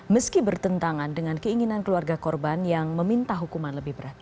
meski bertentangan dengan keinginan keluarga korban yang meminta hukuman lebih berat